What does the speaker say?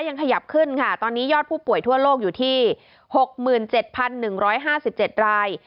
ยังขยับขึ้นค่ะตอนนี้ยอดผู้ป่วยทั่วโลกอยู่ที่หกหมื่นเจ็ดพันหนึ่งร้อยห้าสิบเจ็ดราย